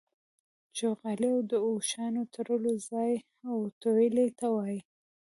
چوغالی د اوښانو د تړلو ځای او تویلې ته وايي.